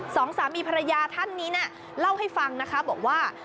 สองสามีภรรยาท่านนี้น่ะเล่าให้ฟังนะคะบอกว่า